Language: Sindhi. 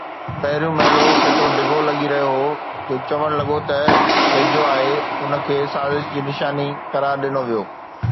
پهريون ميلو ايترو ڊگهو لڳي رهيو هو، جو چوڻ لڳو ته ويجهو آهي، ان کي سازش جي نشاني قرار ڏنو ويو